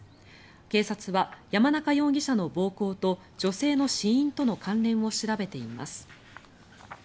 警察は山中容疑者の暴行と女性の死因との関連を調べています。